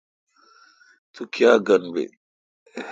تو کاں گن بیل۔